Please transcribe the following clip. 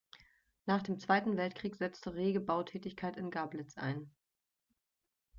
Nach dem Zweiten Weltkrieg setzte rege Bautätigkeit in Gablitz ein.